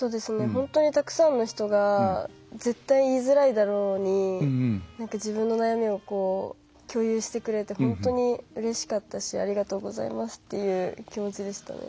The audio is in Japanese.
本当にたくさんの人が絶対言いづらいだろうに自分の悩みを共有してくれて本当にうれしかったしありがとうございますっていう気持ちでしたね。